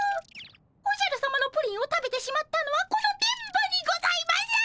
おじゃるさまのプリンを食べてしまったのはこの電ボにございます！